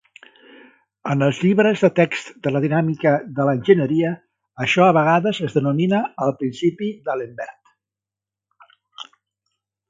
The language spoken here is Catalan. En els llibres de text de la dinàmica de l'enginyeria, això a vegades es denomina "el principi d'Alembert".